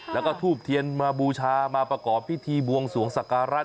แล้วก็ทูบเทียนมาบูชามาประกอบพิธีบวงสวงสักการะ